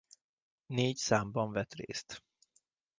Négy számban vett részt.